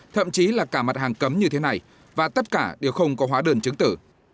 thậm chí là cả mặt hàng cấm như thế này và tất cả đều không có hóa đơn chứng tử